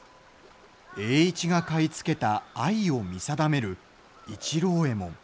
栄一が買い付けた藍を見定める市郎右衛門。